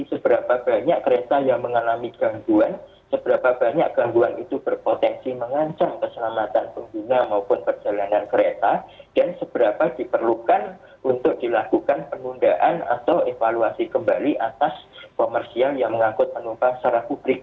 seberapa banyak kereta yang mengalami gangguan seberapa banyak gangguan itu berpotensi mengancam keselamatan pengguna maupun perjalanan kereta dan seberapa diperlukan untuk dilakukan penundaan atau evaluasi kembali atas komersial yang mengangkut penumpang secara publik